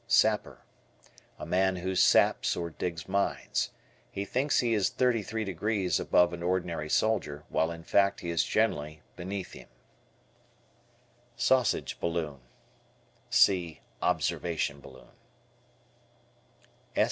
Sapper. A man who saps or digs mines. He thinks he is thirty three degrees above an ordinary soldier, while in fact he is generally beneath him. Sausage Balloon. See observation balloon.